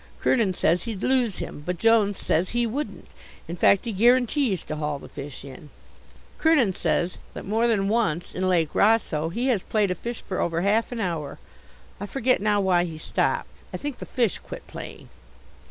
Kernin says he'd lose him. But Jones says he wouldn't. In fact he guarantees to haul the fish in. Kernin says that more than once in Lake Rosseau he has played a fish for over half an hour. I forget now why he stopped; I think the fish quit playing.